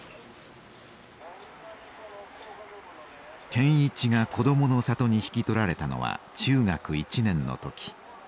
健一が「こどもの里」に引き取られたのは中学１年の時。